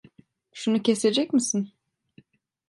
Şunu kesecek misin?